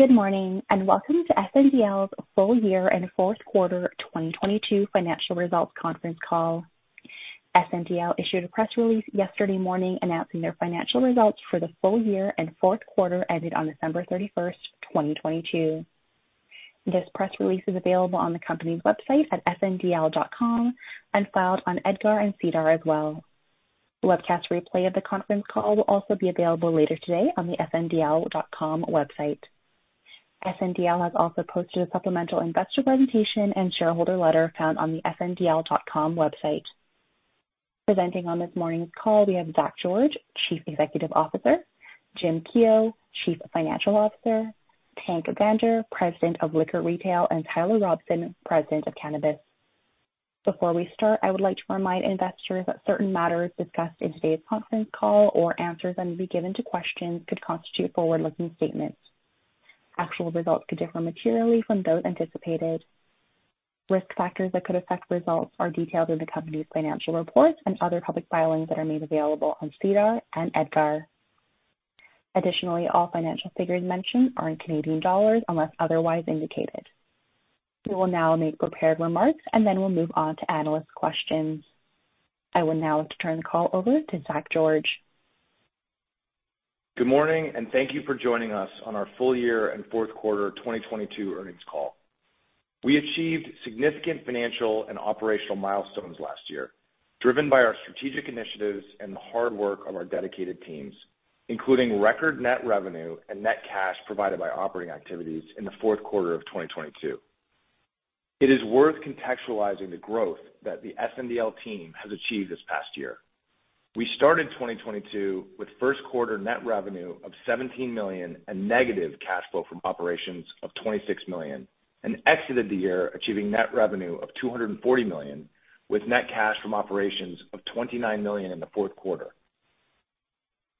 Good morning, and welcome to SNDL's full year and fourth quarter 2022 financial results conference call. SNDL issued a press release yesterday morning announcing their financial results for the full year and fourth quarter ended on December 31st, 2022. This press release is available on the company's website at sndl.com and filed on EDGAR and SEDAR as well. The webcast replay of the conference call will also be available later today on the sndl.com website. SNDL has also posted a supplemental investor presentation and shareholder letter found on the sndl.com website. Presenting on this morning's call, we have Zach George, Chief Executive Officer, Jim Keough, Chief Financial Officer, Tank Vander, President of Liquor Retail, and Tyler Robson, President of Cannabis. Before we start, I would like to remind investors that certain matters discussed in today's conference call or answers that may be given to questions could constitute forward-looking statements. Actual results could differ materially from those anticipated. Risk factors that could affect results are detailed in the company's financial reports and other public filings that are made available on SEDAR and EDGAR. Additionally, all financial figures mentioned are in Canadian dollars unless otherwise indicated. We will now make prepared remarks, then we'll move on to analyst questions. I would now like to turn the call over to Zach George. Good morning, thank you for joining us on our full year and fourth quarter 2022 earnings call. We achieved significant financial and operational milestones last year, driven by our strategic initiatives and the hard work of our dedicated teams, including record net revenue and net cash provided by operating activities in the fourth quarter of 2022. It is worth contextualizing the growth that the SNDL team has achieved this past year. We started 2022 with first quarter net revenue of CAD 17 million and negative cash flow from operations of CAD 26 million and exited the year achieving net revenue of CAD 240 million with net cash from operations of CAD 29 million in the fourth quarter.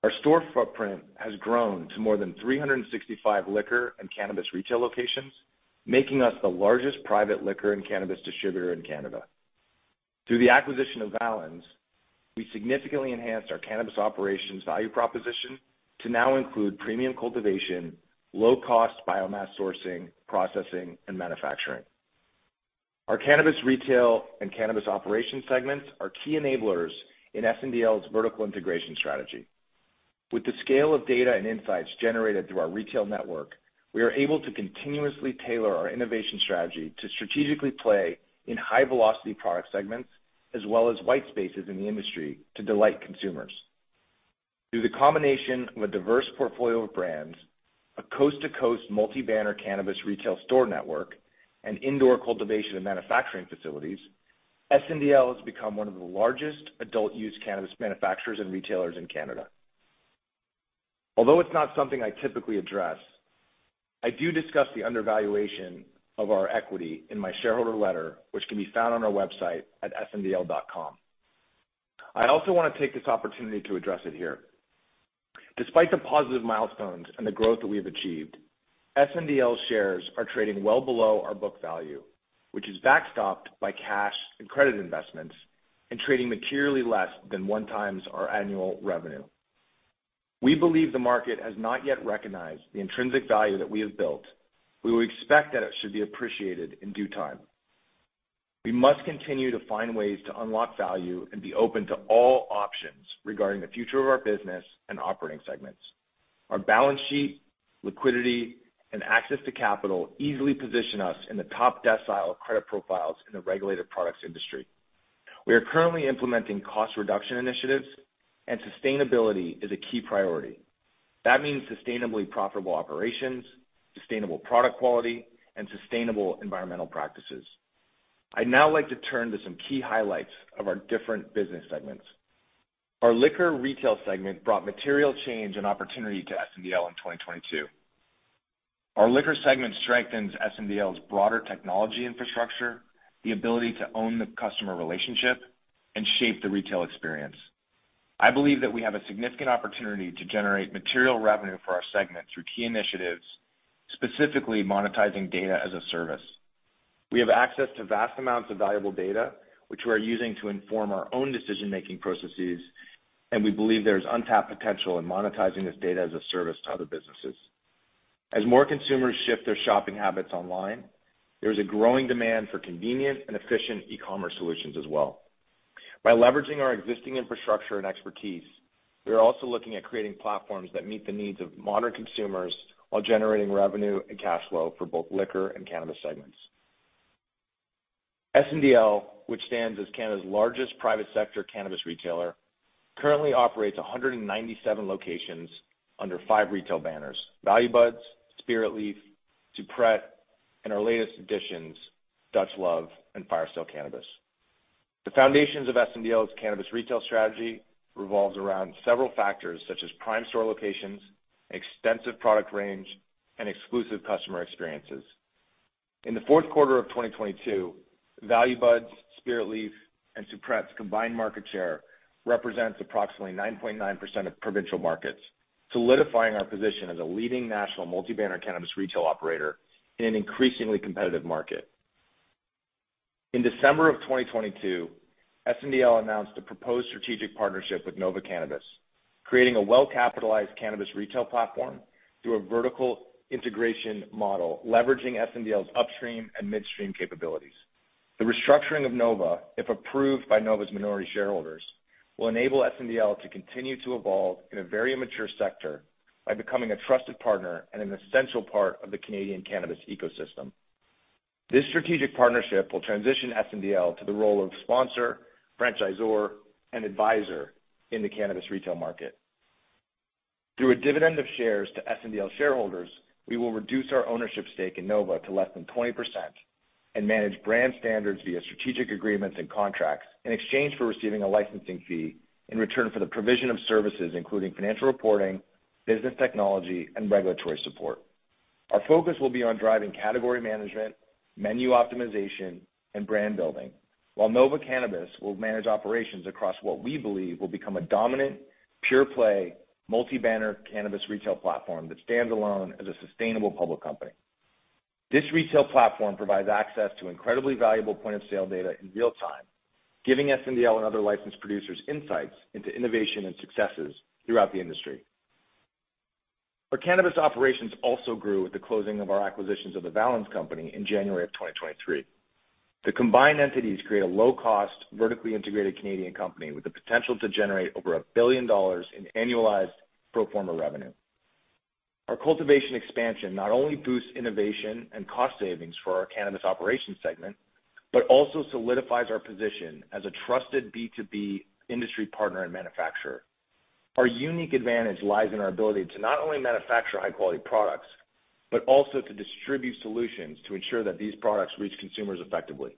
Our store footprint has grown to more than 365 liquor and cannabis retail locations, making us the largest private liquor and cannabis distributor in Canada. Through the acquisition of Valens, we significantly enhanced our cannabis operations value proposition to now include premium cultivation, low-cost biomass sourcing, processing, and manufacturing. Our cannabis retail and cannabis operations segments are key enablers in SNDL's vertical integration strategy. With the scale of data and insights generated through our retail network, we are able to continuously tailor our innovation strategy to strategically play in high-velocity product segments as well as white spaces in the industry to delight consumers. Through the combination of a diverse portfolio of brands, a coast-to-coast multi-banner cannabis retail store network, and indoor cultivation and manufacturing facilities, SNDL has become one of the largest adult-use cannabis manufacturers and retailers in Canada. Although it's not something I typically address, I do discuss the undervaluation of our equity in my shareholder letter, which can be found on our website at sndl.com. I also wanna take this opportunity to address it here. Despite the positive milestones and the growth that we have achieved, SNDL shares are trading well below our book value, which is backstopped by cash and credit investments and trading materially less than 1x our annual revenue. We believe the market has not yet recognized the intrinsic value that we have built. We would expect that it should be appreciated in due time. We must continue to find ways to unlock value and be open to all options regarding the future of our business and operating segments. Our balance sheet, liquidity, and access to capital easily position us in the top decile of credit profiles in the regulated products industry. We are currently implementing cost reduction initiatives, and sustainability is a key priority. That means sustainably profitable operations, sustainable product quality, and sustainable environmental practices. I'd now like to turn to some key highlights of our different business segments. Our liquor retail segment brought material change and opportunity to SNDL in 2022. Our liquor segment strengthens SNDL's broader technology infrastructure, the ability to own the customer relationship, and shape the retail experience. I believe that we have a significant opportunity to generate material revenue for our segment through key initiatives, specifically monetizing data as a service. We have access to vast amounts of valuable data, which we are using to inform our own decision-making processes, and we believe there is untapped potential in monetizing this data as a service to other businesses. As more consumers shift their shopping habits online, there is a growing demand for convenient and efficient e-commerce solutions as well. By leveraging our existing infrastructure and expertise, we are also looking at creating platforms that meet the needs of modern consumers while generating revenue and cash flow for both liquor and cannabis segments. SNDL, which stands as Canada's largest private sector cannabis retailer, currently operates 197 locations under five retail banners: Value Buds, Spiritleaf, Superette, and our latest additions, Dutch Love and Firesale Cannabis. The foundations of SNDL's cannabis retail strategy revolve around several factors such as prime store locations, extensive product range, and exclusive customer experiences. In the fourth quarter of 2022, Value Buds, Spiritleaf, and Superette's combined market share represents approximately 9.9% of provincial markets, solidifying our position as a leading national multi-banner cannabis retail operator in an increasingly competitive market. In December of 2022, SNDL announced a proposed strategic partnership with Nova Cannabis, creating a well-capitalized cannabis retail platform through a vertical integration model, leveraging SNDL's upstream and midstream capabilities. The restructuring of Nova, if approved by Nova's minority shareholders, will enable SNDL to continue to evolve in a very immature sector by becoming a trusted partner and an essential part of the Canadian cannabis ecosystem. This strategic partnership will transition SNDL to the role of sponsor, franchisor, and advisor in the cannabis retail market. Through a dividend of shares to SNDL shareholders, we will reduce our ownership stake in Nova to less than 20% and manage brand standards via strategic agreements and contracts in exchange for receiving a licensing fee in return for the provision of services, including financial reporting, business technology, and regulatory support. Our focus will be on driving category management, menu optimization, and brand building, while Nova Cannabis will manage operations across what we believe will become a dominant, pure play, multi-banner cannabis retail platform that stands alone as a sustainable public company. This retail platform provides access to incredibly valuable point-of-sale data in real time, giving SNDL and other licensed producers insights into innovation and successes throughout the industry. Our cannabis operations also grew with the closing of our acquisitions of the Valens Company in January of 2023. The combined entities create a low-cost, vertically integrated Canadian company with the potential to generate over 1 billion dollars in annualized pro forma revenue. Our cultivation expansion not only boosts innovation and cost savings for our cannabis operations segment, but also solidifies our position as a trusted B2B industry partner and manufacturer. Our unique advantage lies in our ability to not only manufacture high-quality products, but also to distribute solutions to ensure that these products reach consumers effectively.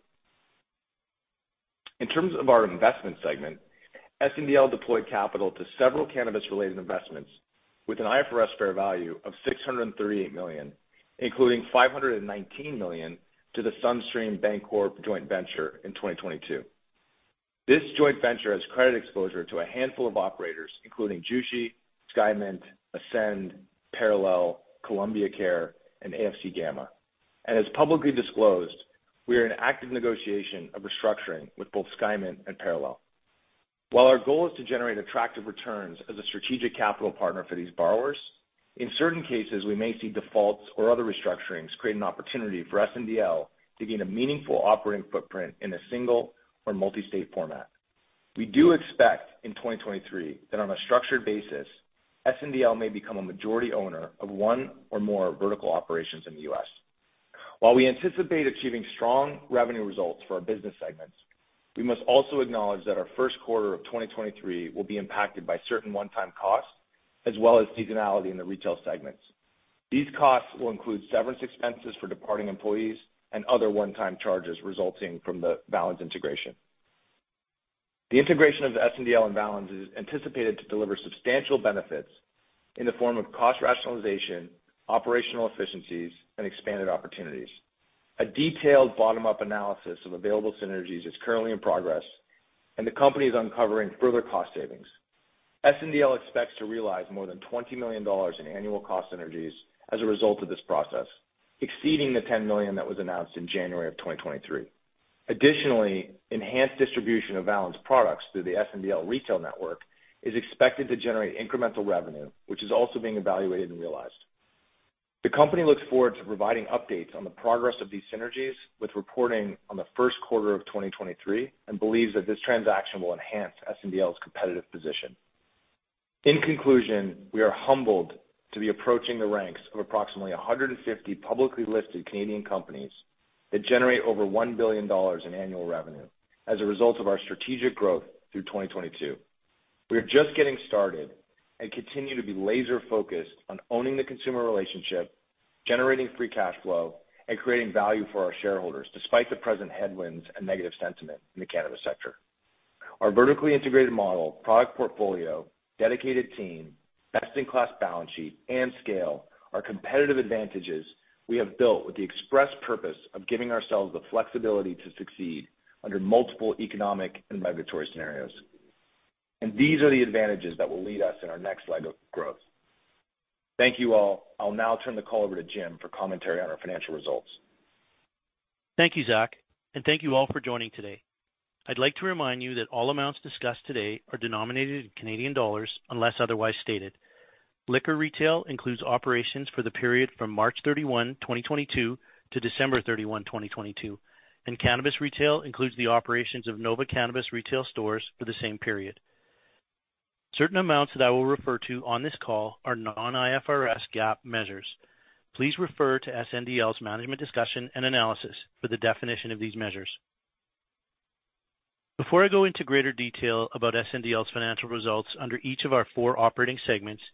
In terms of our investment segment, SNDL deployed capital to several cannabis-related investments with an IFRS fair value of 638 million, including 519 million to the SunStream Bancorp joint venture in 2022. This joint venture has credit exposure to a handful of operators, including Jushi, Skymint, Ascend, Parallel, Columbia Care, and AFC Gamma. As publicly disclosed, we are in active negotiation of restructuring with both Skymint and Parallel. While our goal is to generate attractive returns as a strategic capital partner for these borrowers, in certain cases, we may see defaults or other restructurings create an opportunity for SNDL to gain a meaningful operating footprint in a single or multi-state format. We do expect in 2023 that on a structured basis, SNDL may become a majority owner of one or more vertical operations in the U.S. While we anticipate achieving strong revenue results for our business segments, we must also acknowledge that our first quarter of 2023 will be impacted by certain one-time costs as well as seasonality in the retail segments. These costs will include severance expenses for departing employees and other one-time charges resulting from the Valens integration. The integration of SNDL and Valens is anticipated to deliver substantial benefits in the form of cost rationalization, operational efficiencies, and expanded opportunities. A detailed bottom-up analysis of available synergies is currently in progress, and the company is uncovering further cost savings. SNDL expects to realize more than $20 million in annual cost synergies as a result of this process, exceeding the $10 million that was announced in January of 2023. Additionally, enhanced distribution of Valens products through the SNDL retail network is expected to generate incremental revenue, which is also being evaluated and realized. The company looks forward to providing updates on the progress of these synergies with reporting on the first quarter of 2023 and believes that this transaction will enhance SNDL's competitive position. In conclusion, we are humbled to be approaching the ranks of approximately 150 publicly listed Canadian companies that generate over 1 billion dollars in annual revenue as a result of our strategic growth through 2022. We are just getting started and continue to be laser-focused on owning the consumer relationship, generating free cash flow, and creating value for our shareholders despite the present headwinds and negative sentiment in the cannabis sector. Our vertically integrated model, product portfolio, dedicated team, best-in-class balance sheet, and scale are competitive advantages we have built with the express purpose of giving ourselves the flexibility to succeed under multiple economic and regulatory scenarios. These are the advantages that will lead us in our next leg of growth. Thank you all. I'll now turn the call over to Jim for commentary on our financial results. Thank you, Zach, and thank you all for joining today. I'd like to remind you that all amounts discussed today are denominated in Canadian dollars unless otherwise stated. Liquor retail includes operations for the period from March 31, 2022 to December 31, 2022. Cannabis retail includes the operations of Nova Cannabis retail stores for the same period. Certain amounts that I will refer to on this call are non-IFRS GAAP measures. Please refer to SNDL's Management Discussion and Analysis for the definition of these measures. Before I go into greater detail about SNDL's financial results under each of our four operating segments,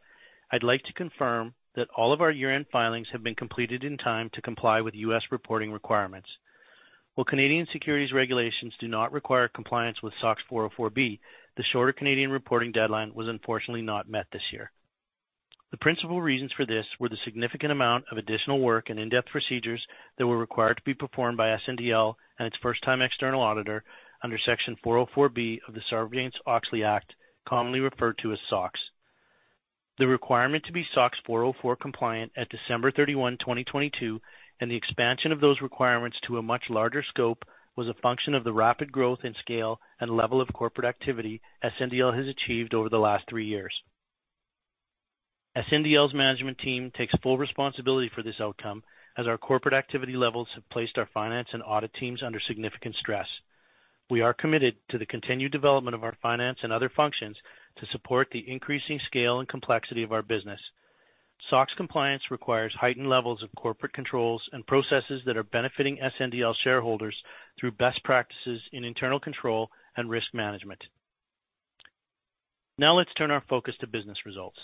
I'd like to confirm that all of our year-end filings have been completed in time to comply with U.S. reporting requirements. While Canadian securities regulations do not require compliance with SOX 404(b), the shorter Canadian reporting deadline was unfortunately not met this year. The principal reasons for this were the significant amount of additional work and in-depth procedures that were required to be performed by SNDL and its first-time external auditor under Section 404(b) of the Sarbanes-Oxley Act, commonly referred to as SOX. The requirement to be SOX 404 compliant at December 31, 2022, and the expansion of those requirements to a much larger scope was a function of the rapid growth in scale and level of corporate activity SNDL has achieved over the last three years. SNDL's management team takes full responsibility for this outcome, as our corporate activity levels have placed our finance and audit teams under significant stress. We are committed to the continued development of our finance and other functions to support the increasing scale and complexity of our business. SOX compliance requires heightened levels of corporate controls and processes that are benefiting SNDL shareholders through best practices in internal control and risk management. Let's turn our focus to business results.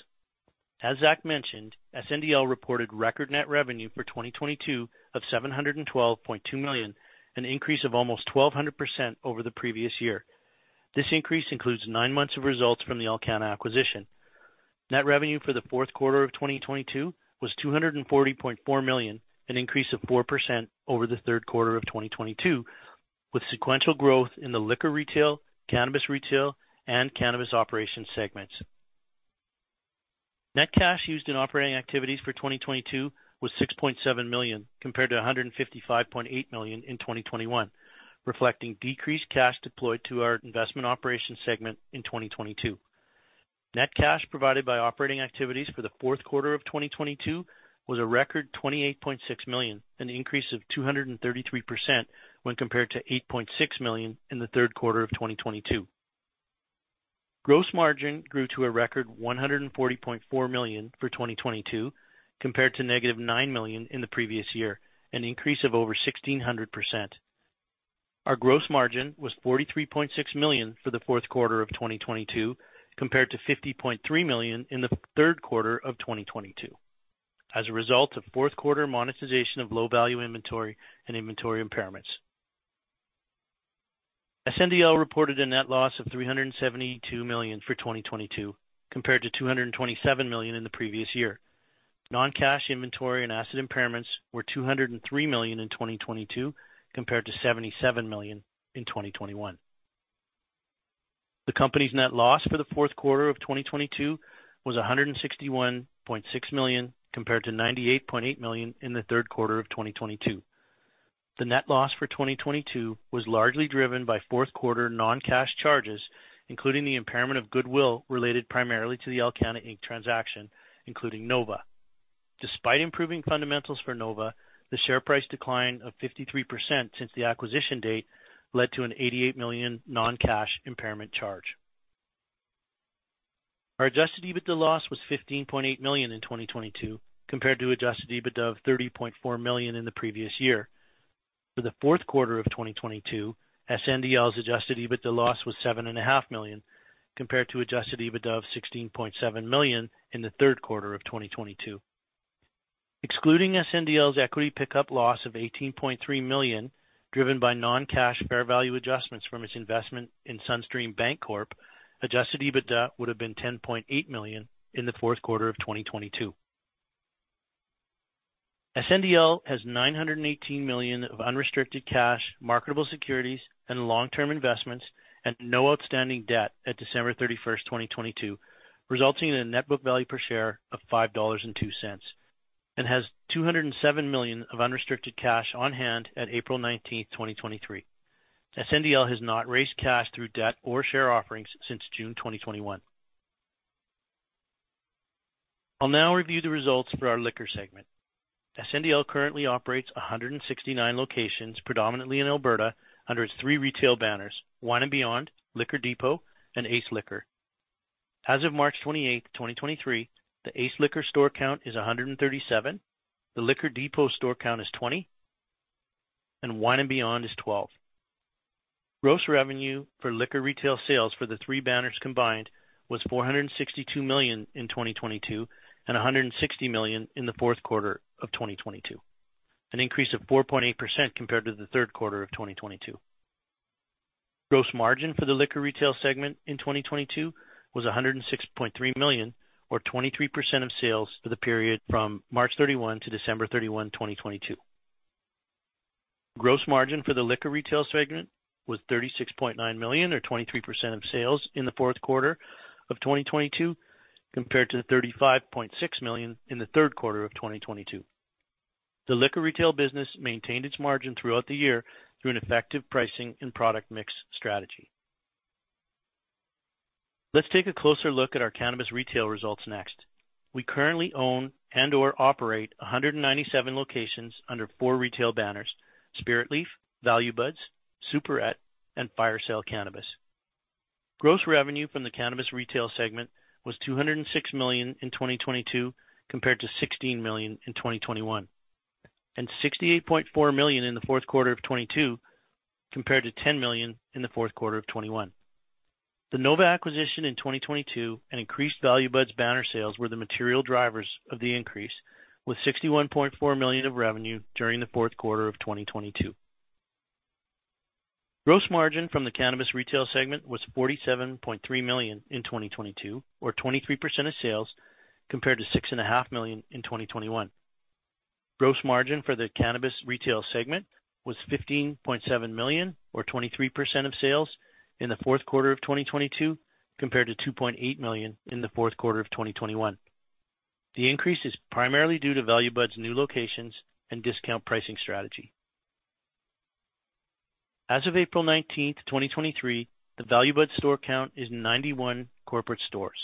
As Zach mentioned, SNDL reported record net revenue for 2022 of 712.2 million, an increase of almost 1,200% over the previous year. This increase includes nine months of results from the Alcanna acquisition. Net revenue for the fourth quarter of 2022 was 240.4 million, an increase of 4% over the third quarter of 2022, with sequential growth in the liquor retail, cannabis retail and cannabis operations segments. Net cash used in operating activities for 2022 was 6.7 million, compared to 155.8 million in 2021, reflecting decreased cash deployed to our investment operations segment in 2022. Net cash provided by operating activities for the fourth quarter of 2022 was a record 28.6 million, an increase of 233% when compared to 8.6 million in the third quarter of 2022. Gross margin grew to a record 140.4 million for 2022 compared to -9 million in the previous year, an increase of over 1,600%. Our gross margin was 43.6 million for the fourth quarter of 2022 compared to 50.3 million in the third quarter of 2022 as a result of fourth quarter monetization of low value inventory and inventory impairments. SNDL reported a net loss of CAD 372 million for 2022 compared to CAD 227 million in the previous year. Non-cash inventory and asset impairments were CAD 203 million in 2022 compared to CAD 77 million in 2021. The company's net loss for the fourth quarter of 2022 was CAD 161.6 million, compared to CAD 98.8 million in the third quarter of 2022. The net loss for 2022 was largely driven by fourth quarter non-cash charges, including the impairment of goodwill related primarily to the Alcanna Inc. transaction, including Nova. Despite improving fundamentals for Nova, the share price decline of 53% since the acquisition date led to a 88 million non-cash impairment charge. Our Adjusted EBITDA loss was 15.8 million in 2022 compared to Adjusted EBITDA of 30.4 million in the previous year. For the fourth quarter of 2022, SNDL's Adjusted EBITDA loss was 7.5 million, compared to Adjusted EBITDA of 16.7 million in the third quarter of 2022. Excluding SNDL's equity pickup loss of CAD 18.3 million, driven by non-cash fair value adjustments from its investment in SunStream Bancorp, Adjusted EBITDA would have been 10.8 million in the fourth quarter of 2022. SNDL has 918 million of unrestricted cash, marketable securities and long-term investments and no outstanding debt at December 31, 2022, resulting in a net book value per share of 5.02 dollars, and has 207 million of unrestricted cash on hand at April 19, 2023. SNDL has not raised cash through debt or share offerings since June 2021. I'll now review the results for our liquor segment. SNDL currently operates 169 locations, predominantly in Alberta, under its three retail banners, Wine and Beyond, Liquor Depot and Ace Liquor. As of March 28, 2023, the Ace Liquor store count is 137, the Liquor Depot store count is 20, and Wine and Beyond is 12. Gross revenue for liquor retail sales for the three banners combined was 462 million in 2022 and 160 million in the fourth quarter of 2022, an increase of 4.8% compared to the third quarter of 2022. Gross margin for the liquor retail segment in 2022 was 106.3 million, or 23% of sales for the period from March 31 to December 31, 2022. Gross margin for the liquor retail segment was 36.9 million, or 23% of sales in the fourth quarter of 2022, compared to 35.6 million in the third quarter of 2022. The liquor retail business maintained its margin throughout the year through an effective pricing and product mix strategy. Let's take a closer look at our cannabis retail results next. We currently own and/or operate 197 locations under four retail banners, Spiritleaf, Value Buds, Superette and Firesale Cannabis. Gross revenue from the cannabis retail segment was CAD 206 million in 2022 compared to CAD 16 million in 2021, and CAD 68.4 million in the fourth quarter of 2022 compared to CAD 10 million in the fourth quarter of 2021. The Nova acquisition in 2022 and increased Value Buds banner sales were the material drivers of the increase, with 61.4 million of revenue during the fourth quarter of 2022. Gross margin from the cannabis retail segment was 47.3 million in 2022 or 23% of sales, compared to 6.5 million in 2021. Gross margin for the cannabis retail segment was 15.7 million or 23% of sales in the fourth quarter of 2022 compared to 2.8 million in the fourth quarter of 2021. The increase is primarily due to Value Buds new locations and discount pricing strategy. As of April 19th, 2023, the Value Buds store count is 91 corporate stores.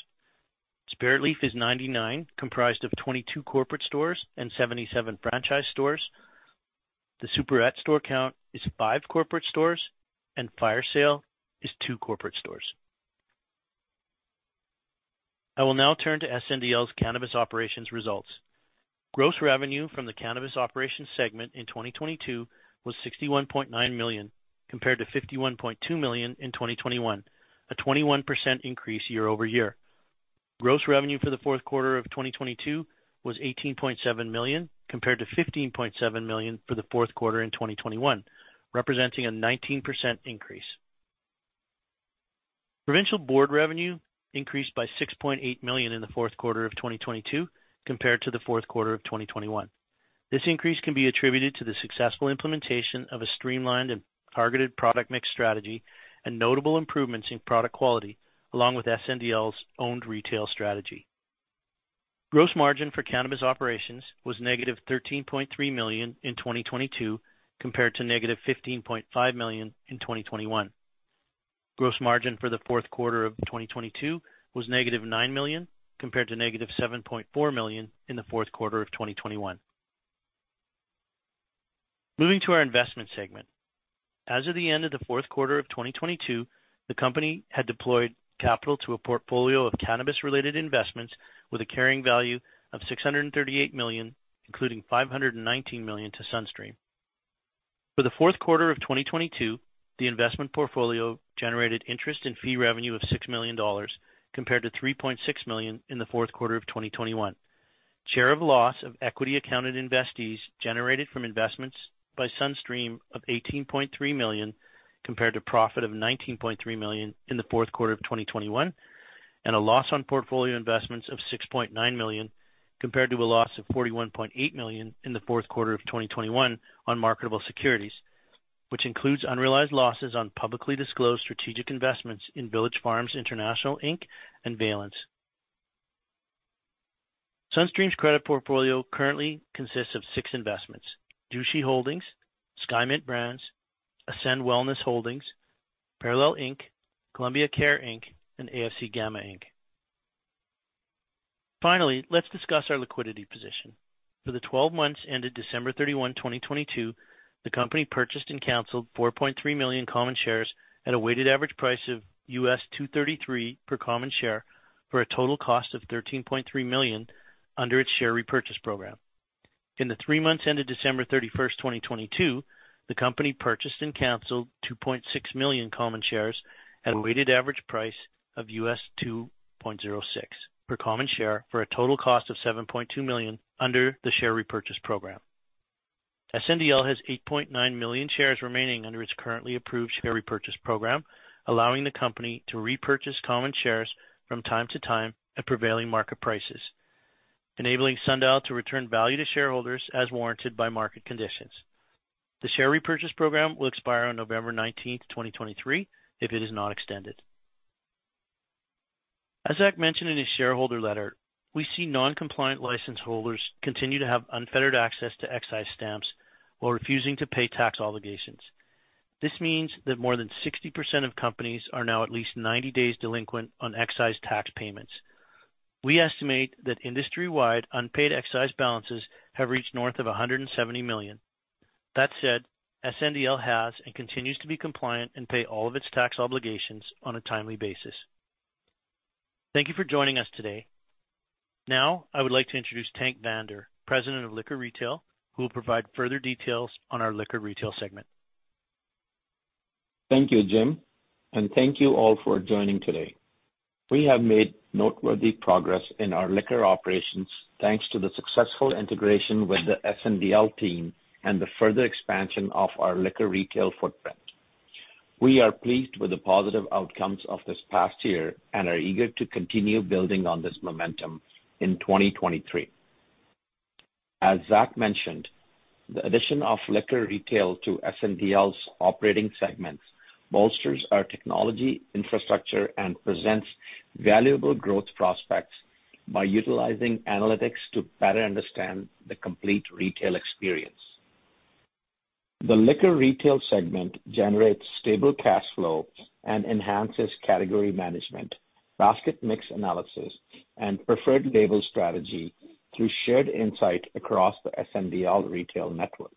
Spiritleaf is 99, comprised of 22 corporate stores and 77 franchise stores. The Superette store count is five corporate stores, and Firesale is two corporate stores. I will now turn to SNDL's cannabis operations results. Gross revenue from the cannabis operations segment in 2022 was 61.9 million, compared to 51.2 million in 2021, a 21% increase year-over-year. Gross revenue for the fourth quarter of 2022 was 18.7 million, compared to 15.7 million for the fourth quarter in 2021, representing a 19% increase. Provincial board revenue increased by 6.8 million in the fourth quarter of 2022 compared to the fourth quarter of 2021. This increase can be attributed to the successful implementation of a streamlined and targeted product mix strategy and notable improvements in product quality, along with SNDL's owned retail strategy. Gross margin for cannabis operations was -13.3 million in 2022 compared to -15.5 million in 2021. Gross margin for the fourth quarter of 2022 was -9 million, compared to -7.4 million in the fourth quarter of 2021. Moving to our investment segment. As of the end of the fourth quarter of 2022, the company had deployed capital to a portfolio of cannabis-related investments with a carrying value of CAD 638 million, including CAD 519 million to SunStream. For the fourth quarter of 2022, the investment portfolio generated interest in fee revenue of 6 million dollars compared to 3.6 million in the fourth quarter of 2021. Share of loss of equity accounted investees generated from investments by SunStream of CAD 18.3 million compared to profit of CAD 19.3 million in the fourth quarter of 2021, and a loss on portfolio investments of CAD 6.9 million compared to a loss of CAD 41.8 million in the fourth quarter of 2021 on marketable securities, which includes unrealized losses on publicly disclosed strategic investments in Village Farms International, Inc. and Valens. SunStream's credit portfolio currently consists of six investments: Jushi Holdings, Skymint Brands, Ascend Wellness Holdings, Parallel Inc, Columbia Care Inc., and AFC Gamma, Inc. Finally, let's discuss our liquidity position. For the 12 months ended December 31, 2022, the company purchased and canceled 4.3 million common shares at a weighted average price of US $2.33 per common share for a total cost of $13.3 million under its share repurchase program. In the three months ended December 31st, 2022, the company purchased and canceled 2.6 million common shares at a weighted average price of US $2.06 per common share for a total cost of $7.2 million under the share repurchase program. SNDL has 8.9 million shares remaining under its currently approved share repurchase program, allowing the company to repurchase common shares from time to time at prevailing market prices, enabling SNDL to return value to shareholders as warranted by market conditions. The share repurchase program will expire on November 19, 2023, if it is not extended. As Zach mentioned in his shareholder letter, we see non-compliant license holders continue to have unfettered access to excise stamps while refusing to pay tax obligations. This means that more than 60% of companies are now at least 90 days delinquent on excise tax payments. We estimate that industry-wide unpaid excise balances have reached north of 170 million. That said, SNDL has and continues to be compliant and pay all of its tax obligations on a timely basis. Thank you for joining us today. Now, I would like to introduce Tank Vander, President of Liquor Retail, who will provide further details on our liquor retail segment. Thank you, Jim, and thank you all for joining today. We have made noteworthy progress in our liquor operations thanks to the successful integration with the SNDL team and the further expansion of our liquor retail footprint. We are pleased with the positive outcomes of this past year and are eager to continue building on this momentum in 2023. As Zach mentioned, the addition of liquor retail to SNDL's operating segments bolsters our technology infrastructure and presents valuable growth prospects by utilizing analytics to better understand the complete retail experience. The liquor retail segment generates stable cash flow and enhances category management, basket mix analysis, and private label strategy through shared insight across the SNDL retail network.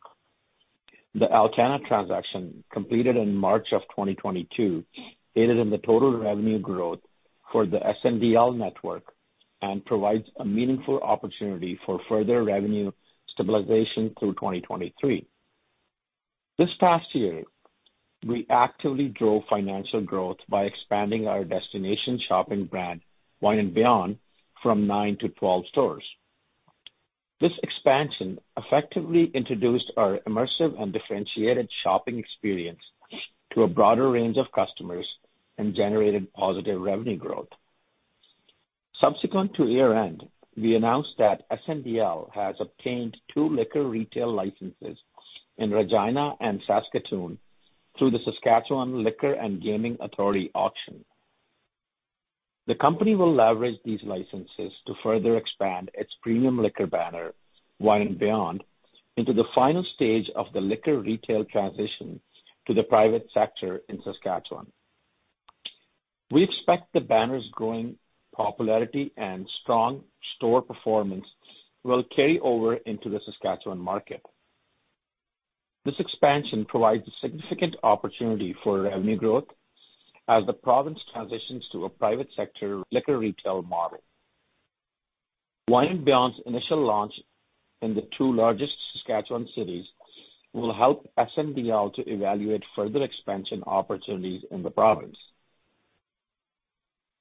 The Alcanna transaction, completed in March of 2022, aided in the total revenue growth for the SNDL network and provides a meaningful opportunity for further revenue stabilization through 2023. This past year, we actively drove financial growth by expanding our destination shopping brand, Wine and Beyond, from 9-12 stores. This expansion effectively introduced our immersive and differentiated shopping experience to a broader range of customers and generated positive revenue growth. Subsequent to year-end, we announced that SNDL has obtained two liquor retail licenses in Regina and Saskatoon through the Saskatchewan Liquor and Gaming Authority auction. The company will leverage these licenses to further expand its premium liquor banner, Wine and Beyond, into the final stage of the liquor retail transition to the private sector in Saskatchewan. We expect the banner's growing popularity and strong store performance will carry over into the Saskatchewan market. This expansion provides a significant opportunity for revenue growth as the province transitions to a private sector liquor retail model. Wine and Beyond's initial launch in the two largest Saskatchewan cities will help SNDL to evaluate further expansion opportunities in the province.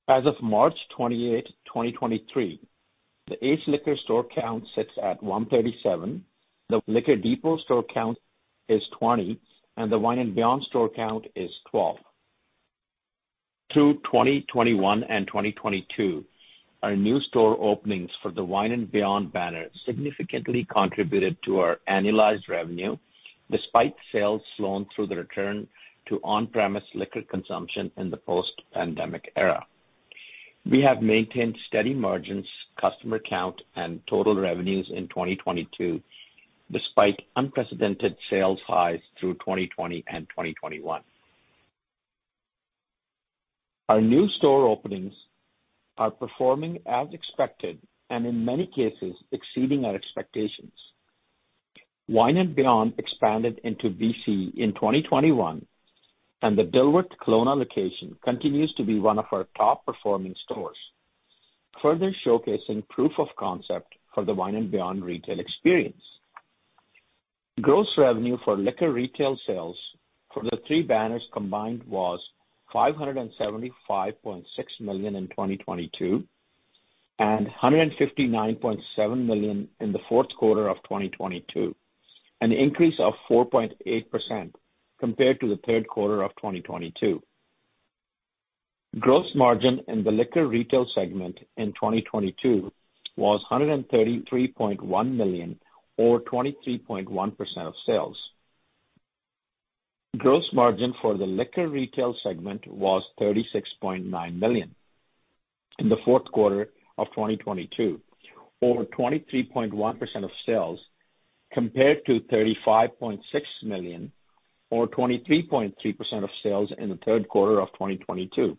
As of March 28, 2023, the Ace Liquor store count sits at 137, the Liquor Depot store count is 20, and the Wine and Beyond store count is 12. Through 2021 and 2022, our new store openings for the Wine and Beyond banner significantly contributed to our annualized revenue, despite sales slowing through the return to on-premise liquor consumption in the post-pandemic era. We have maintained steady margins, customer count, and total revenues in 2022, despite unprecedented sales highs through 2020 and 2021. Our new store openings are performing as expected, and in many cases, exceeding our expectations. Wine and Beyond expanded into BC in 2021, and the Dilworth, Kelowna location continues to be one of our top-performing stores, further showcasing proof of concept for the Wine and Beyond retail experience. Gross revenue for liquor retail sales for the three banners combined was 575.6 million in 2022, and 159.7 million in the fourth quarter of 2022, an increase of 4.8% compared to the third quarter of 2022. Gross margin in the liquor retail segment in 2022 was 133.1 million or 23.1% of sales. Gross margin for the liquor retail segment was $36.9 million in the fourth quarter of 2022, or 23.1% of sales, compared to $35.6 million or 23.3% of sales in the third quarter of 2022.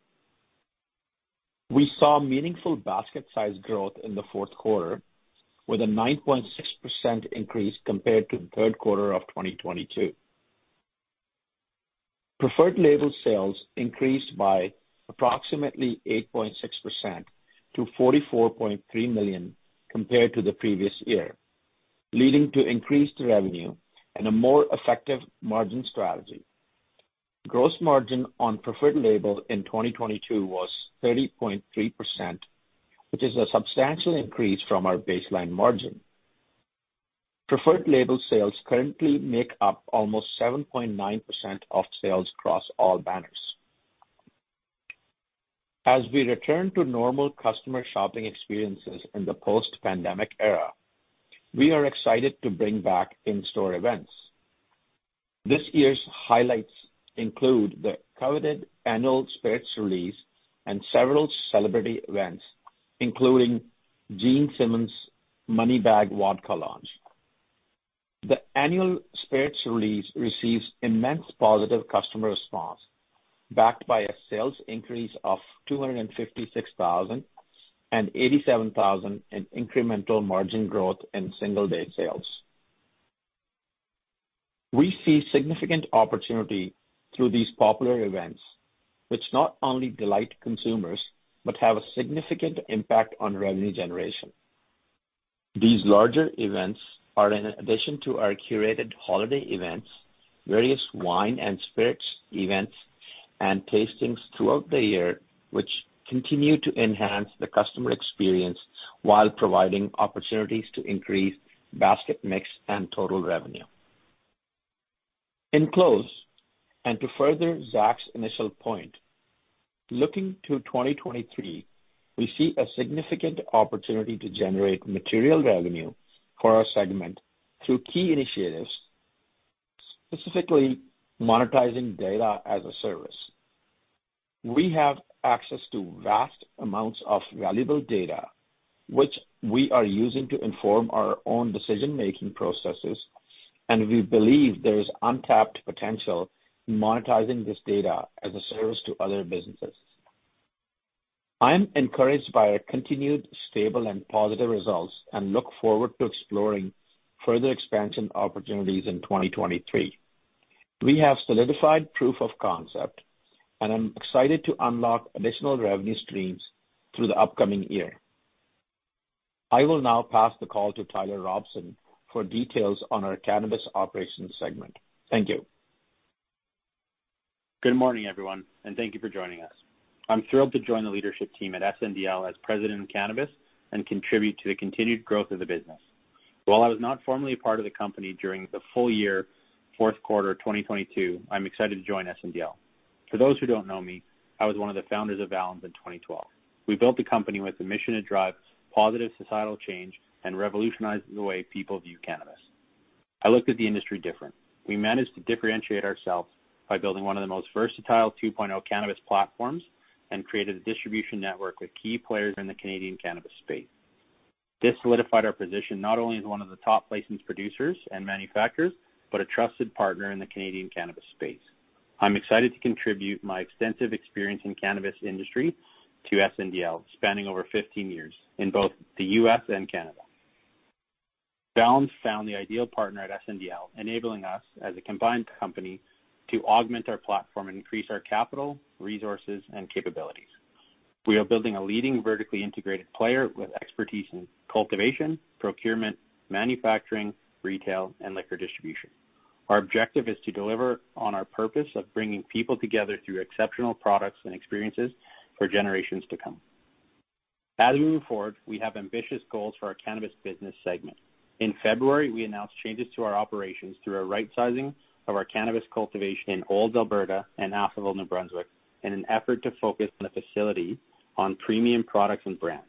We saw meaningful basket size growth in the fourth quarter, with a 9.6% increase compared to the third quarter of 2022. Preferred label sales increased by approximately 8.6% to $44.3 million compared to the previous year, leading to increased revenue and a more effective margin strategy. Gross margin on private label in 2022 was 30.3%, which is a substantial increase from our baseline margin. Preferred label sales currently make up almost 7.9% of sales across all banners. As we return to normal customer shopping experiences in the post-pandemic era, we are excited to bring back in-store events. This year's highlights include the coveted annual Spirits Release and several celebrity events, including Gene Simmons' MoneyBag Vodka launch. The annual Spirits Release receives immense positive customer response, backed by a sales increase of 256,000 and 87,000 in incremental margin growth in single-day sales. We see significant opportunity through these popular events, which not only delight consumers, but have a significant impact on revenue generation. These larger events are in addition to our curated holiday events, various wine and spirits events, and tastings throughout the year, which continue to enhance the customer experience while providing opportunities to increase basket mix and total revenue. In close, and to further Zach's initial point, looking to 2023, we see a significant opportunity to generate material revenue for our segment through key initiatives, specifically monetizing data as a service. We have access to vast amounts of valuable data, which we are using to inform our own decision-making processes, and we believe there is untapped potential in monetizing this data as a service to other businesses. I am encouraged by our continued stable and positive results and look forward to exploring further expansion opportunities in 2023. We have solidified proof of concept, and I'm excited to unlock additional revenue streams through the upcoming year. I will now pass the call to Tyler Robson for details on our cannabis operations segment. Thank you. Good morning, everyone, thank you for joining us. I'm thrilled to join the leadership team at SNDL as President of Cannabis and contribute to the continued growth of the business. While I was not formally a part of the company during the full year, fourth quarter of 2022, I'm excited to join SNDL. For those who don't know me, I was one of the founders of Valens in 2012. We built the company with the mission to drive positive societal change and revolutionize the way people view cannabis. I looked at the industry different. We managed to differentiate ourselves by building one of the most versatile 2.0 cannabis platforms and created a distribution network with key players in the Canadian cannabis space. This solidified our position not only as one of the top licensed producers and manufacturers, but a trusted partner in the Canadian cannabis space. I'm excited to contribute my extensive experience in cannabis industry to SNDL, spanning over 15 years in both the U.S. and Canada. Valens found the ideal partner at SNDL, enabling us as a combined company to augment our platform and increase our capital, resources, and capabilities. We are building a leading vertically integrated player with expertise in cultivation, procurement, manufacturing, retail, and liquor distribution. Our objective is to deliver on our purpose of bringing people together through exceptional products and experiences for generations to come. As we move forward, we have ambitious goals for our cannabis business segment. In February, we announced changes to our operations through a right-sizing of our cannabis cultivation in Olds, Alberta, and Atholville, New Brunswick, in an effort to focus on a facility on premium products and brands.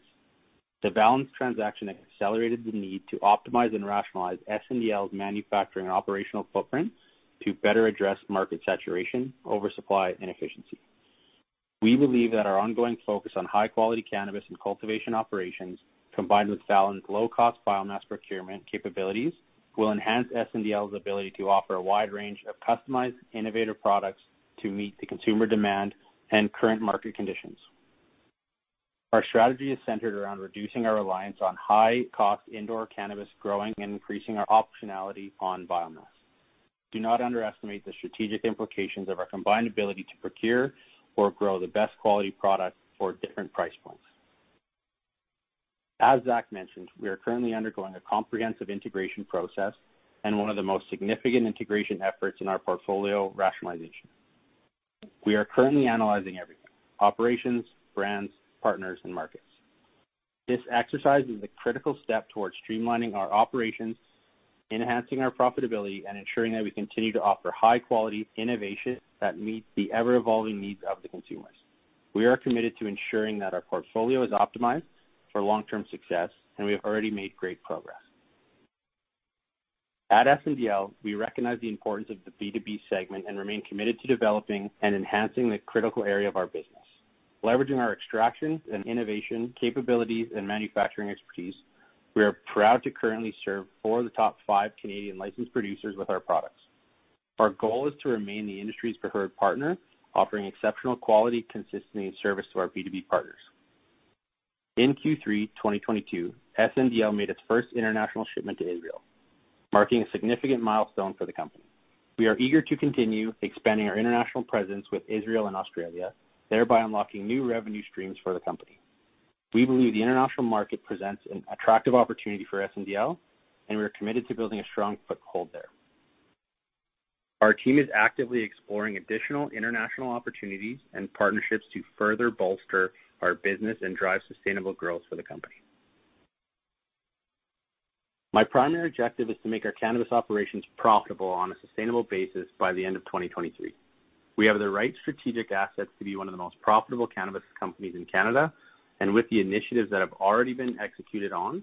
The Valens transaction accelerated the need to optimize and rationalize SNDL's manufacturing and operational footprint to better address market saturation, oversupply, and efficiency. We believe that our ongoing focus on high-quality cannabis and cultivation operations, combined with Valens' low-cost biomass procurement capabilities, will enhance SNDL's ability to offer a wide range of customized, innovative products to meet the consumer demand and current market conditions. Our strategy is centered around reducing our reliance on high-cost indoor cannabis growing and increasing our optionality on biomass. Do not underestimate the strategic implications of our combined ability to procure or grow the best quality product for different price points. As Zach mentioned, we are currently undergoing a comprehensive integration process and one of the most significant integration efforts in our portfolio, rationalization. We are currently analyzing everything: operations, brands, partners, and markets. This exercise is a critical step towards streamlining our operations, enhancing our profitability, and ensuring that we continue to offer high-quality innovation that meets the ever-evolving needs of the consumers. We are committed to ensuring that our portfolio is optimized for long-term success, and we have already made great progress. At SNDL, we recognize the importance of the B2B segment and remain committed to developing and enhancing the critical area of our business. Leveraging our extractions and innovation capabilities and manufacturing expertise, we are proud to currently serve four of the top five Canadian licensed producers with our products. Our goal is to remain the industry's preferred partner, offering exceptional quality, consistency, and service to our B2B partners. In Q3 2022, SNDL made its first international shipment to Israel, marking a significant milestone for the company. We are eager to continue expanding our international presence with Israel and Australia, thereby unlocking new revenue streams for the company. We believe the international market presents an attractive opportunity for SNDL, and we are committed to building a strong foothold there. Our team is actively exploring additional international opportunities and partnerships to further bolster our business and drive sustainable growth for the company. My primary objective is to make our cannabis operations profitable on a sustainable basis by the end of 2023. We have the right strategic assets to be one of the most profitable cannabis companies in Canada, and with the initiatives that have already been executed on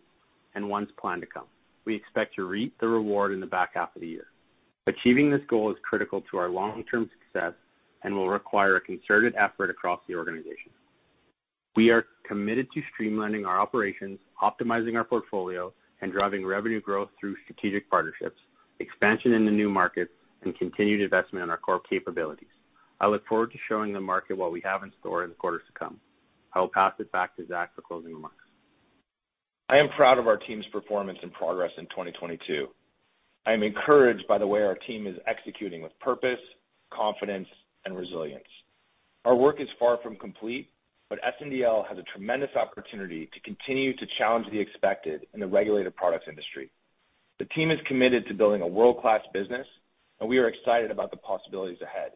and ones planned to come. We expect to reap the reward in the back half of the year. Achieving this goal is critical to our long-term success and will require a concerted effort across the organization. We are committed to streamlining our operations, optimizing our portfolio, and driving revenue growth through strategic partnerships, expansion in the new markets, and continued investment in our core capabilities. I look forward to showing the market what we have in store in the quarters to come. I will pass it back to Zach for closing remarks. I am proud of our team's performance and progress in 2022. I am encouraged by the way our team is executing with purpose, confidence, and resilience. Our work is far from complete, but SNDL has a tremendous opportunity to continue to challenge the expected in the regulated products industry. The team is committed to building a world-class business, and we are excited about the possibilities ahead.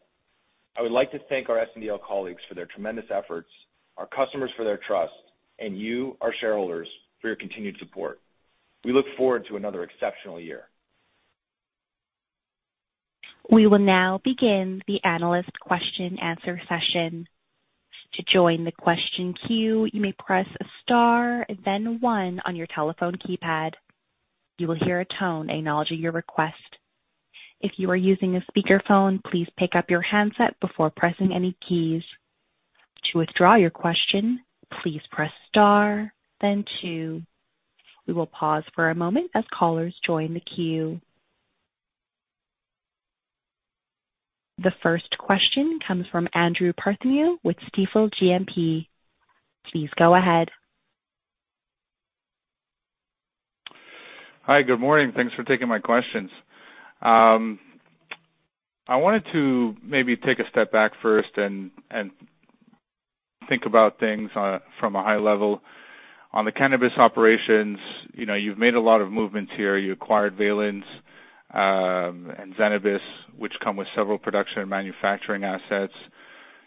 I would like to thank our SNDL colleagues for their tremendous efforts, our customers for their trust, and you, our shareholders, for your continued support. We look forward to another exceptional year. We will now begin the analyst question-answer session. To join the question queue, you may press star then one on your telephone keypad. You will hear a tone acknowledging your request. If you are using a speakerphone, please pick up your handset before pressing any keys. To withdraw your question, please press star then two. We will pause for a moment as callers join the queue. The first question comes from Andrew Partheniou with Stifel GMP. Please go ahead. Hi, good morning. Thanks for taking my questions. I wanted to maybe take a step back first and think about things from a high level. On the cannabis operations, you know, you've made a lot of movements here. You acquired Valens and Zenabis, which come with several production and manufacturing assets.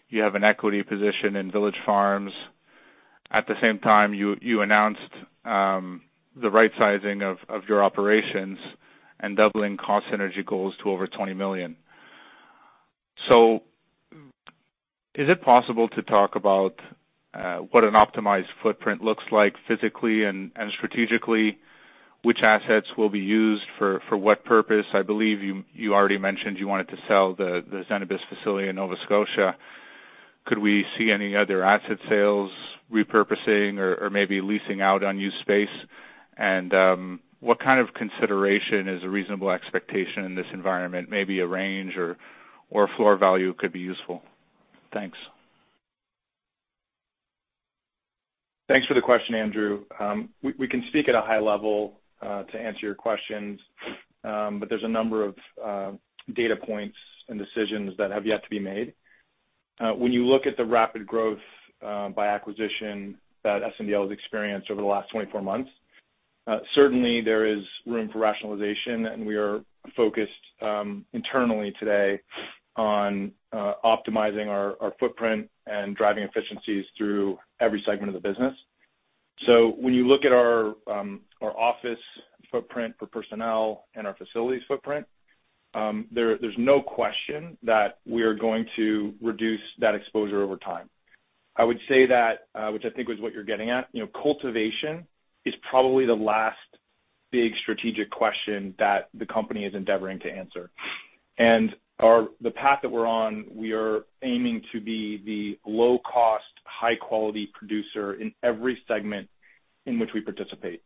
You have an equity position in Village Farms. At the same time, you announced the rightsizing of your operations and doubling cost synergy goals to over 20 million. Is it possible to talk about what an optimized footprint looks like physically and strategically? Which assets will be used for what purpose? I believe you already mentioned you wanted to sell the Zenabis facility in Nova Scotia. Could we see any other asset sales, repurposing or maybe leasing out unused space? What kind of consideration is a reasonable expectation in this environment? Maybe a range or floor value could be useful. Thanks. Thanks for the question, Andrew. We can speak at a high level to answer your questions, but there's a number of data points and decisions that have yet to be made. When you look at the rapid growth by acquisition that SNDL has experienced over the last 24 months, certainly there is room for rationalization, and we are focused internally today on optimizing our footprint and driving efficiencies through every segment of the business. When you look at our office footprint for personnel and our facilities footprint, there's no question that we are going to reduce that exposure over time. I would say that, which I think is what you're getting at, you know, cultivation is probably the last big strategic question that the company is endeavoring to answer. The path that we're on, we are aiming to be the low cost, high quality producer in every segment in which we participate.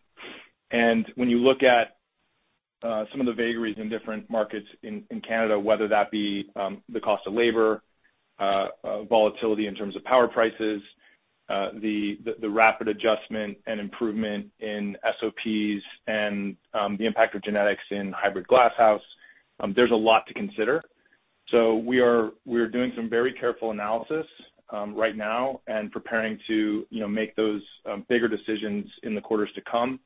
When you look at some of the vagaries in different markets in Canada, whether that be the cost of labor, volatility in terms of power prices, the rapid adjustment and improvement in SOPs and the impact of genetics in hybrid glasshouse, there's a lot to consider. We are doing some very careful analysis right now and preparing to, you know, make those bigger decisions in the quarters to come.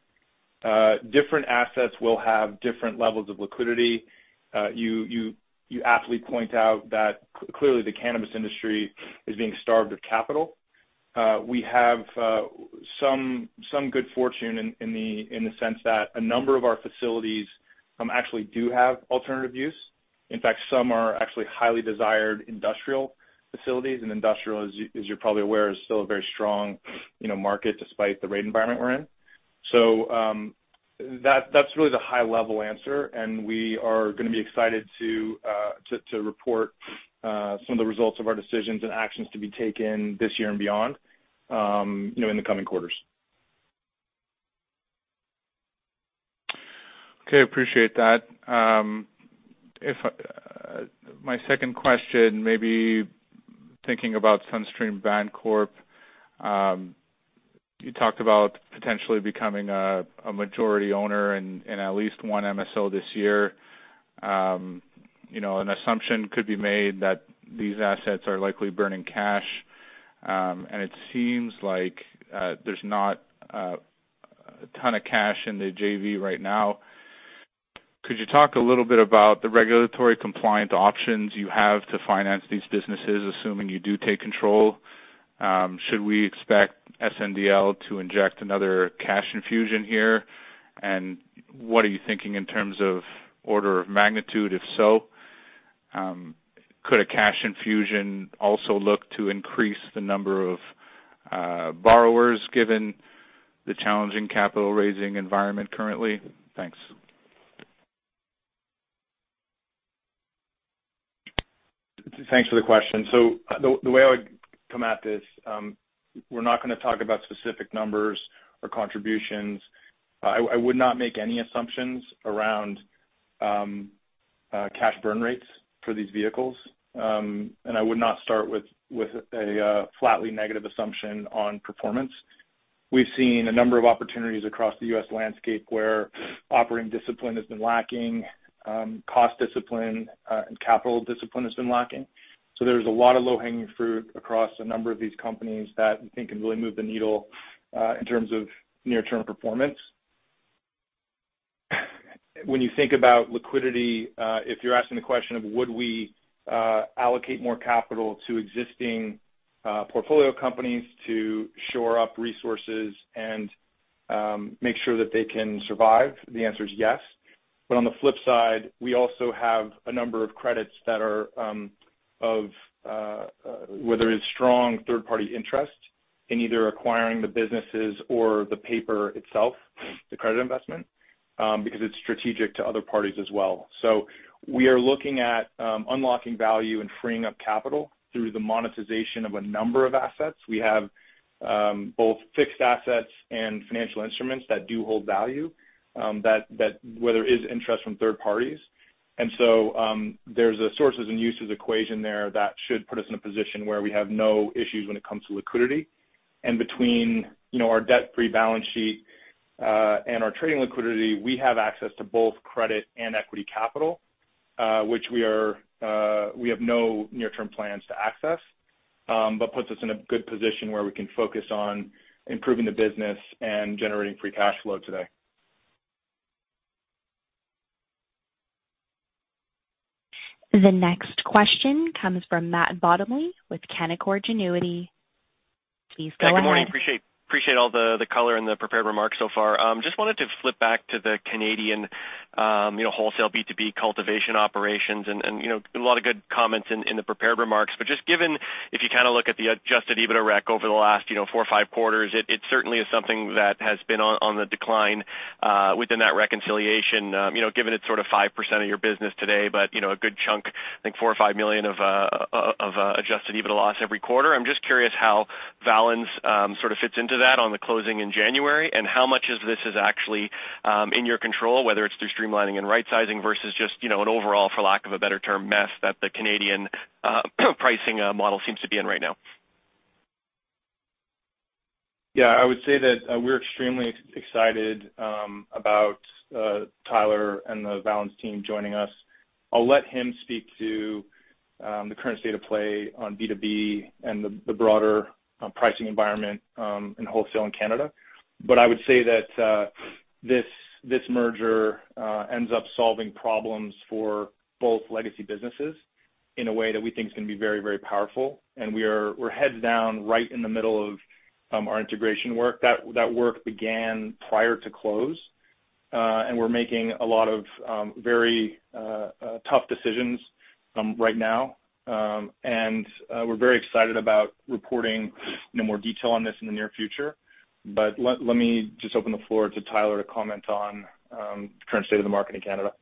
Different assets will have different levels of liquidity. You aptly point out that clearly the cannabis industry is being starved of capital. We have some good fortune in the sense that a number of our facilities actually do have alternative use. In fact, some are actually highly desired industrial facilities. Industrial, as you're probably aware, is still a very strong, you know, market despite the rate environment we're in. That's really the high level answer, and we are gonna be excited to report some of the results of our decisions and actions to be taken this year and beyond, you know, in the coming quarters. Okay. Appreciate that. If my second question may be thinking about SunStream Bancorp. You talked about potentially becoming a majority owner in at least one MSO this year. You know, an assumption could be made that these assets are likely burning cash, and it seems like there's not a ton of cash in the JV right now. Could you talk a little bit about the regulatory compliant options you have to finance these businesses, assuming you do take control? Should we expect SNDL to inject another cash infusion here? What are you thinking in terms of order of magnitude, if so? Could a cash infusion also look to increase the number of borrowers given the challenging capital raising environment currently? Thanks. Thanks for the question. The way I would come at this, we're not gonna talk about specific numbers or contributions. I would not make any assumptions around cash burn rates for these vehicles. I would not start with a flatly negative assumption on performance. We've seen a number of opportunities across the U.S. landscape where operating discipline has been lacking, cost discipline, and capital discipline has been lacking. There's a lot of low hanging fruit across a number of these companies that we think can really move the needle in terms of near-term performance. When you think about liquidity, if you're asking the question of would we allocate more capital to existing portfolio companies to shore up resources and make sure that they can survive, the answer is yes. On the flip side, we also have a number of credits that are of whether it's strong third-party interest in either acquiring the businesses or the paper itself, the credit investment because it's strategic to other parties as well. We are looking at unlocking value and freeing up capital through the monetization of a number of assets. We have both fixed assets and financial instruments that do hold value that where there is interest from third parties. There's a sources and uses equation there that should put us in a position where we have no issues when it comes to liquidity. Between, you know, our debt-free balance sheet and our trading liquidity, we have access to both credit and equity capital which we are we have no near-term plans to access. Puts us in a good position where we can focus on improving the business and generating free cash flow today. The next question comes from Matt Bottomley with Canaccord Genuity. Please go ahead. Hi, good morning. Appreciate all the color and the prepared remarks so far. Just wanted to flip back to the Canadian, you know, wholesale B2B cultivation operations and, you know, a lot of good comments in the prepared remarks. Just given, if you kind of look at the Adjusted EBITDA rec over the last, you know, four or five quarters, it certainly is something that has been on the decline within that reconciliation, you know, given it's sort of 5% of your business today, but, you know, a good chunk, I think 4 million or 5 million of Adjusted EBITDA loss every quarter. I'm just curious how Valens sort of fits into that on the closing in January, and how much of this is actually in your control, whether it's through streamlining and right sizing versus just, you know, an overall, for lack of a better term, mess that the Canadian pricing model seems to be in right now. Yeah, I would say that we're extremely excited about Tyler and the Valens team joining us. I'll let him speak to the current state of play on B2B and the broader pricing environment in wholesale in Canada. I would say that this merger ends up solving problems for both legacy businesses in a way that we think is gonna be very, very powerful. We're heads down right in the middle of our integration work. That work began prior to close, and we're making a lot of very tough decisions right now. We're very excited about reporting, you know, more detail on this in the near future. Let me just open the floor to Tyler to comment on the current state of the market in Canada.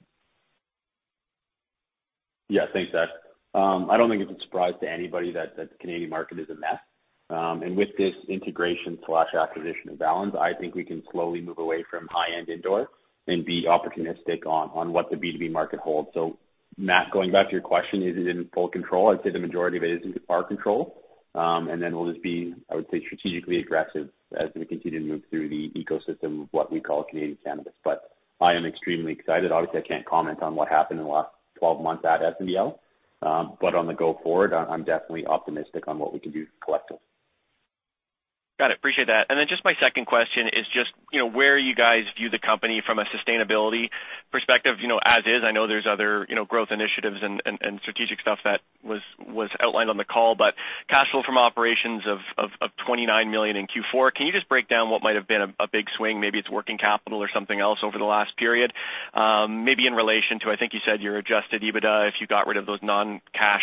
Thanks, Zach. I don't think it's a surprise to anybody that the Canadian market is a mess. With this integration slash acquisition of Valens, I think we can slowly move away from high-end indoor and be opportunistic on what the B2B market holds. Matt, going back to your question, is it in full control? I'd say the majority of it is in our control. Then we'll just be, I would say, strategically aggressive as we continue to move through the ecosystem of what we call Canadian cannabis. I am extremely excited. Obviously, I can't comment on what happened in the last 12 months at SNDL, but on the go forward, I'm definitely optimistic on what we can do collectively. Got it. Appreciate that. Just my second question is, you know, where you guys view the company from a sustainability perspective, you know, as is. I know there's other, you know, growth initiatives and strategic stuff that was outlined on the call. Cash flow from operations of 29 million in Q4, can you just break down what might have been a big swing, maybe it's working capital or something else over the last period? Maybe in relation to, I think you said your Adjusted EBITDA, if you got rid of those non-cash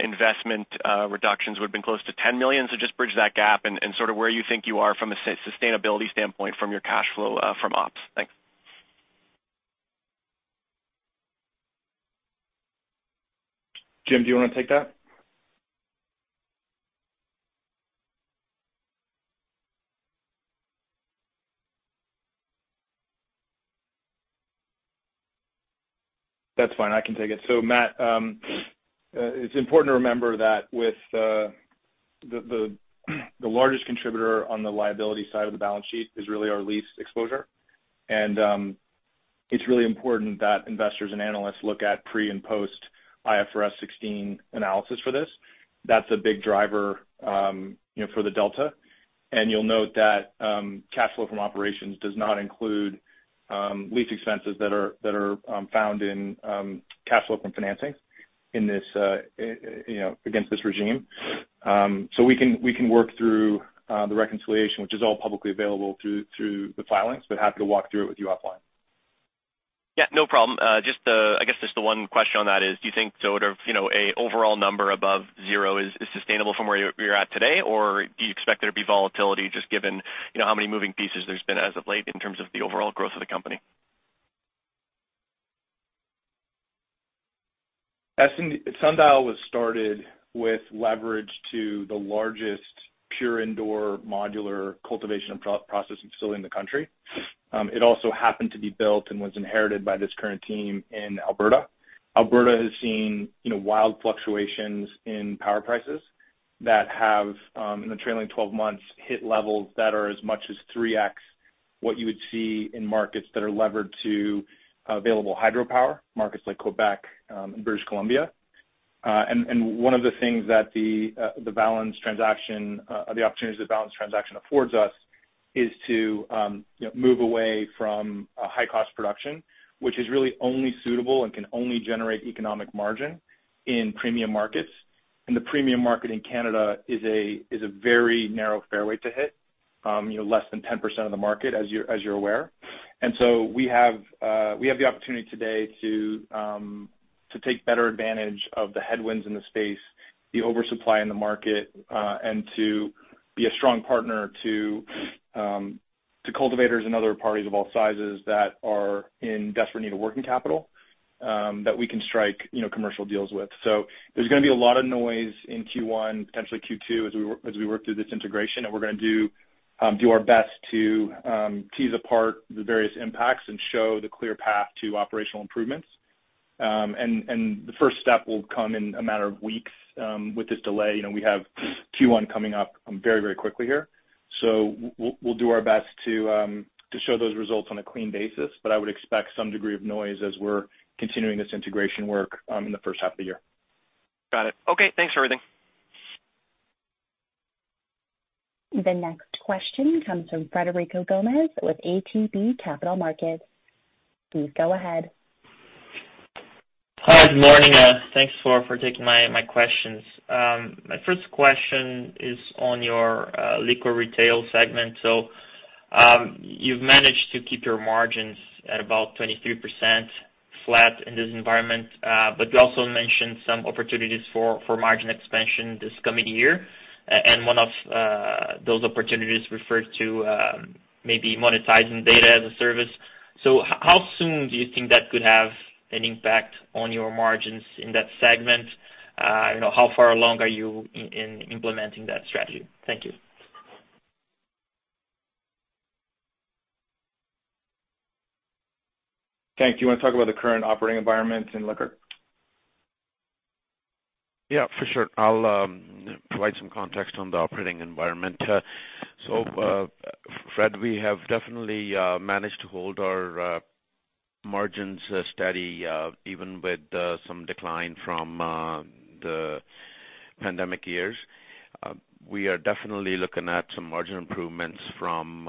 investment reductions would've been close to 10 million. Just bridge that gap and sort of where you think you are from a sustainability standpoint from your cash flow from ops. Thanks. Jim, do you wanna take that? That's fine. I can take it. Matt, it's important to remember that with the largest contributor on the liability side of the balance sheet is really our lease exposure. It's really important that investors and analysts look at pre and post IFRS 16 analysis for this. That's a big driver, you know, for the delta. You'll note that cash flow from operations does not include lease expenses that are found in cash flow from financing in this, you know, against this regime. We can work through the reconciliation, which is all publicly available through the filings, but happy to walk through it with you offline. Yeah, no problem. I guess just the one question on that is, do you think sort of, you know, a overall number above zero is sustainable from where you're at today, or do you expect there to be volatility just given, you know, how many moving pieces there's been as of late in terms of the overall growth of the company? Sundial was started with leverage to the largest pure indoor modular cultivation processing facility in the country. It also happened to be built and was inherited by this current team in Alberta. Alberta has seen, you know, wild fluctuations in power prices that have in the trailing 12 months, hit levels that are as much as 3x what you would see in markets that are levered to available hydropower, markets like Quebec and British Columbia. One of the things that the Valens transaction, the opportunities the Valens transaction affords us is to, you know, move away from a high-cost production, which is really only suitable and can only generate economic margin in premium markets. The premium market in Canada is a very narrow fairway to hit, you know, less than 10% of the market as you're aware. We have the opportunity today to take better advantage of the headwinds in the space, the oversupply in the market, and to be a strong partner to cultivators and other parties of all sizes that are in desperate need of working capital that we can strike, you know, commercial deals with. There's gonna be a lot of noise in Q1, potentially Q2, as we work through this integration. We're gonna do our best to tease apart the various impacts and show the clear path to operational improvements. The first step will come in a matter of weeks with this delay. You know, we have Q1 coming up very, very quickly here. We'll do our best to show those results on a clean basis. I would expect some degree of noise as we're continuing this integration work in the first half of the year. Got it. Okay, thanks for everything. The next question comes from Frederico Gomes with ATB Capital Markets. Please go ahead. Hi, good morning. Thanks for taking my questions. My first question is on your liquor retail segment. You've managed to keep your margins at about 23% flat in this environment, but you also mentioned some opportunities for margin expansion this coming year. And one of those opportunities referred to maybe monetizing data as a service. How soon do you think that could have an impact on your margins in that segment? You know, how far along are you in implementing that strategy? Thank you. Thank you. You wanna talk about the current operating environment in liquor? Yeah, for sure. I'll provide some context on the operating environment. Fred, we have definitely managed to hold our margins steady even with some decline from the pandemic years. We are definitely looking at some margin improvements from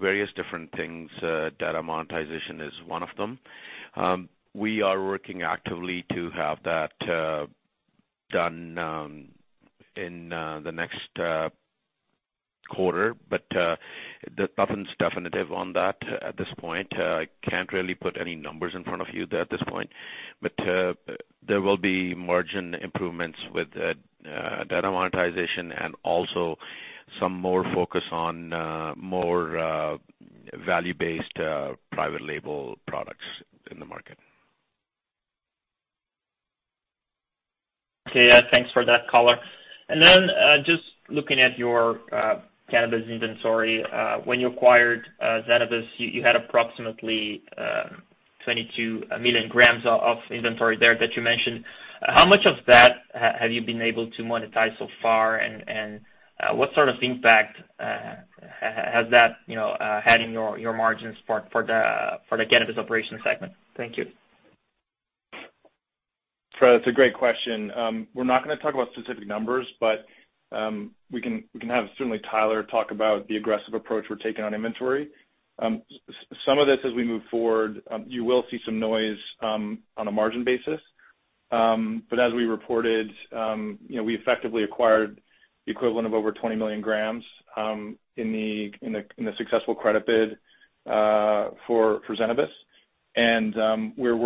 various different things. Data monetization is one of them. We are working actively to have that done in the next quarter, but nothing's definitive on that at this point. I can't really put any numbers in front of you at this point. There will be margin improvements with data monetization and also some more focus on more value-based private label products in the market. Okay. Yeah, thanks for that color. Then, just looking at your cannabis inventory. When you acquired Zenabis, you had approximately 22 million grams of inventory there that you mentioned. How much of that have you been able to monetize so far? What sort of impact has that, you know, had in your margins for the cannabis operation segment? Thank you. Fred, it's a great question. We're not gonna talk about specific numbers, we can have certainly Tyler talk about the aggressive approach we're taking on inventory. Some of this as we move forward, you will see some noise on a margin basis. As we reported, you know, we effectively acquired the equivalent of over 20 million grams in the successful credit bid for Zenabis. We're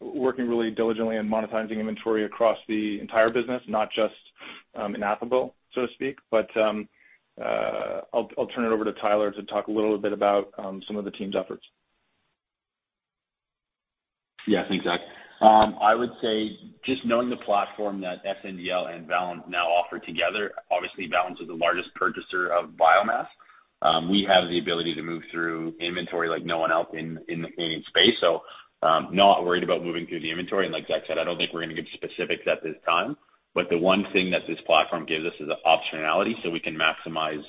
working really diligently in monetizing inventory across the entire business, not just in our cannabis business, so to speak. I'll turn it over to Tyler to talk a little bit about some of the team's efforts. Yeah. Thanks, Zach. I would say just knowing the platform that SNDL and Valens now offer together, obviously Valens is the largest purchaser of biomass. We have the ability to move through inventory like no one else in the space. Not worried about moving through the inventory. Like Zach said, I don't think we're gonna get specifics at this time, but the one thing that this platform gives us is the optionality, so we can maximize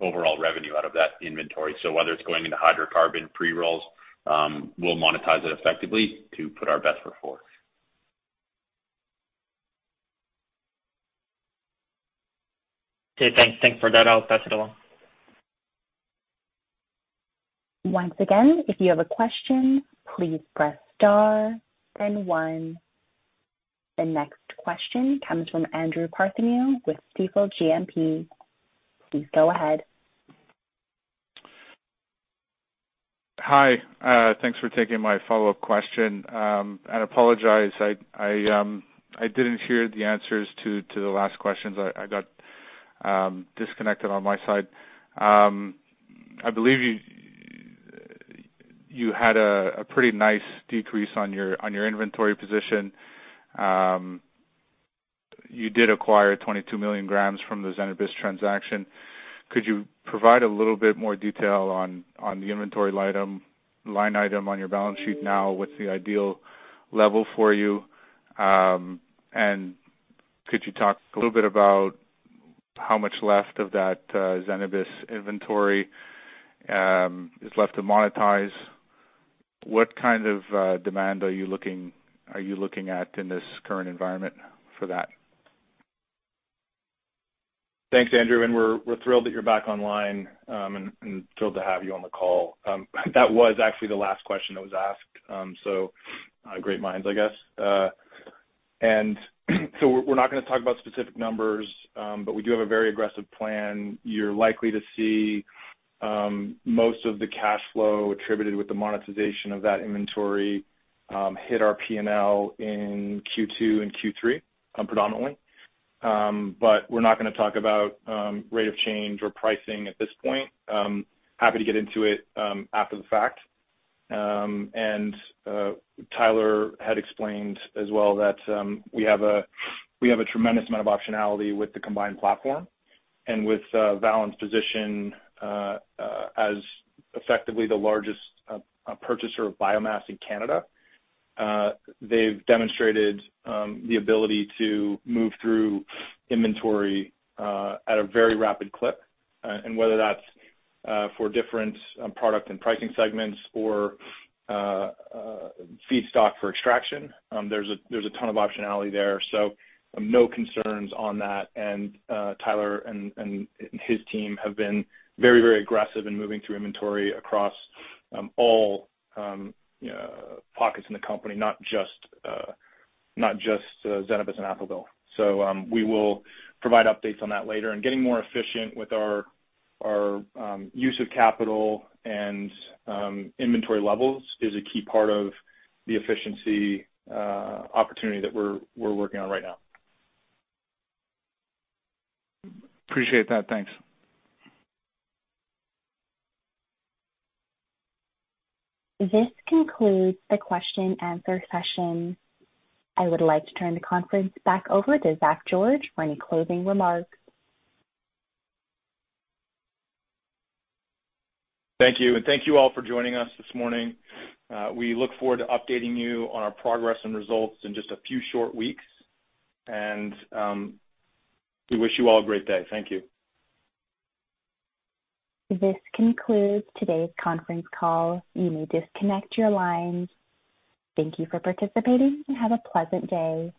overall revenue out of that inventory. Whether it's going into hydrocarbon pre-rolls, we'll monetize it effectively to put our best foot forward. Okay, thanks. Thanks for that. I'll pass it along. Once again, if you have a question, please press star then one. The next question comes from Andrew Partheniou with Stifel GMP. Please go ahead. Hi. Thanks for taking my follow-up question. I apologize. I didn't hear the answers to the last questions. I got disconnected on my side. I believe you had a pretty nice decrease on your inventory position. You did acquire 22 million grams from the Zenabis transaction. Could you provide a little bit more detail on the inventory line item on your balance sheet now? What's the ideal level for you? Could you talk a little bit about how much left of that Zenabis inventory is left to monetize? What kind of demand are you looking at in this current environment for that? Thanks, Andrew, we're thrilled that you're back online, and thrilled to have you on the call. That was actually the last question that was asked. Great minds, I guess. We're not gonna talk about specific numbers, but we do have a very aggressive plan. You're likely to see most of the cash flow attributed with the monetization of that inventory hit our P&L in Q2 and Q3 predominantly. We're not gonna talk about rate of change or pricing at this point. Happy to get into it after the fact. Tyler had explained as well that we have a tremendous amount of optionality with the combined platform. With Valens' position as effectively the largest purchaser of biomass in Canada, they've demonstrated the ability to move through inventory at a very rapid clip. And whether that's for different product and pricing segments or feedstock for extraction, there's a ton of optionality there. So no concerns on that. Tyler and his team have been very aggressive in moving through inventory across all pockets in the company, not just Zenabis and AppleBill. We will provide updates on that later. Getting more efficient with our use of capital and inventory levels is a key part of the efficiency opportunity that we're working on right now. Appreciate that. Thanks. This concludes the question and answer session. I would like to turn the conference back over to Zach George for any closing remarks. Thank you. Thank you all for joining us this morning. We look forward to updating you on our progress and results in just a few short weeks. We wish you all a great day. Thank you. This concludes today's conference call. You may disconnect your lines. Thank you for participating. Have a pleasant day.